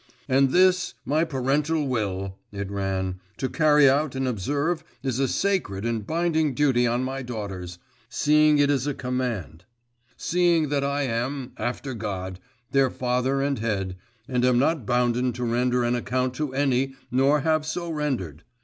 'And this my parental will,' it ran, 'to carry out and observe is a sacred and binding duty on my daughters, seeing it is a command; seeing that I am, after God, their father and head, and am not bounden to render an account to any, nor have so rendered.